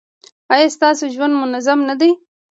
ایا ستاسو ژوند منظم نه دی؟